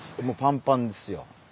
もうパンパンですよ。